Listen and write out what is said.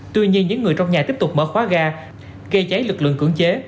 tuy nhiên những người trong nhà tiếp tục mở khóa ga gây cháy lực lượng cưỡng chế